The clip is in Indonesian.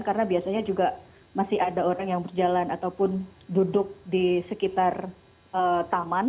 karena biasanya juga masih ada orang yang berjalan ataupun duduk di sekitar taman